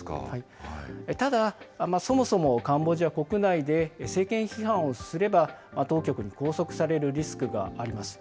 ただ、そもそもカンボジア国内で政権批判をすれば、当局に拘束されるリスクがあります。